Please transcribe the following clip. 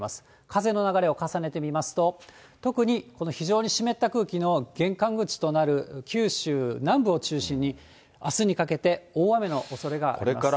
風の流れを重ねてみますと、特にこの非常に湿った空気の玄関口となる九州南部を中心に、あすにかけて、大雨のおそれがあります。